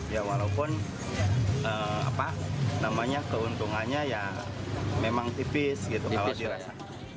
ya walaupun keuntungannya memang tipis kalau dirasakan